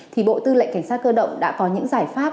thì bộ tư lệnh cảnh sát cơ động đã có những giải pháp